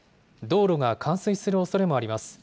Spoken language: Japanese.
道路が冠水するおそれもあります。